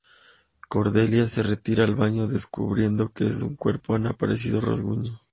Cordelia se retira al baño descubriendo que en su cuerpo han aparecido rasguños.